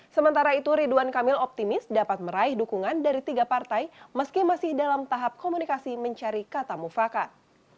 sementara itu ridwan kamil optimis dapat meraih dukungan dari tiga partai meski masih dalam tahap komunikasi mencari kata mufakat